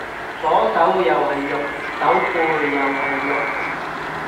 左手又係肉，手背又係肉